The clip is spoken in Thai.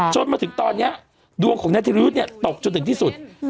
จนมาถึงตอนนี้ดวงของนายธิรยุทธ์ตกจนถึงที่สุด